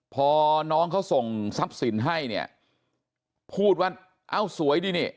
พอน้องเขาส่งทรัพย์สินให้เนี่ยพูดว่าเอ้าสวยดีนี่